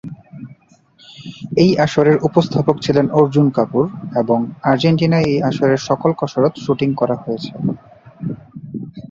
এই আসরের উপস্থাপক ছিলেন অর্জুন কাপুর এবং আর্জেন্টিনায় এই আসরের সকল কসরত শুটিং করা হয়েছে।